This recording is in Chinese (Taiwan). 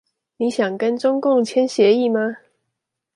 你想跟中共簽協議嗎？